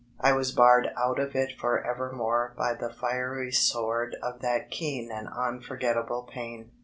I was barred out of it forevermore by the fiery sword of that keen and unforgettable pain.